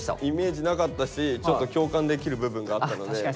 イメージなかったしちょっと共感できる部分があったので。